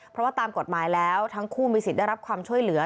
เพราะว่าตามกฎหมายแล้วทั้งคู่มีสิทธิ์ได้รับความช่วยเหลือ